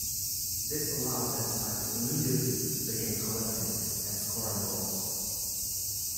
This allowed that side to immediately begin collecting and scoring balls.